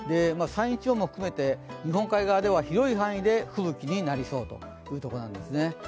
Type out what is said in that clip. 山陰地方も含めて日本海側では広い範囲で吹雪になりそうということです。